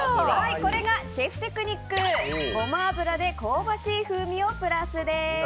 これがシェフテクニックゴマ油で香ばしい風味をプラス。